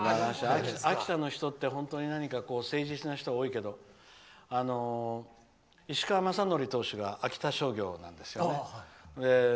秋田の人って本当に何か誠実な人が多いけど石川雅規投手が秋田商業なんですよね。